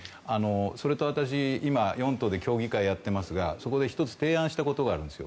それと私、今４党で協議会をやっていますがそこで１つ提案したことがあります。